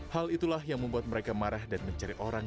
hal itulah yang membuat mereka marah dan mencari orang